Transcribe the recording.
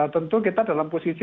tentu kita dalam posisi